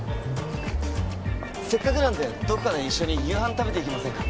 せっかくなんでどこかで一緒に夕飯食べていきませんか？